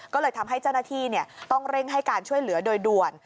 ก็เลยทำให้เจ้าหน้าที่ต้องเร่งให้การช่วยเหลือโดยด่วน